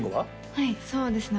はいそうですね